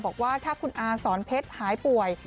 บอกว่าถ้าคุณอาสอนเพชรหายป่วย